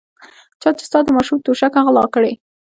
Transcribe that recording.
چا چې ستا د ماشوم توشکه غلا کړې.